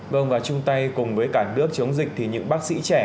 vâng và chung tay cùng với cả nước chống dịch thì những bác sĩ trẻ